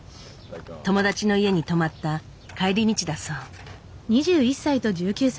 友達の家に泊まった帰り道だそう。